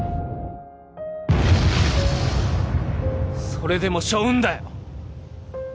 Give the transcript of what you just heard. それでも背負うんだよ